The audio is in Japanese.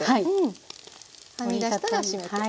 はみ出したらしめて。